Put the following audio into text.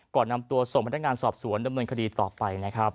ก่อนนำตัวส่งพันธการสอบสวนดำเนินคดีต่อไป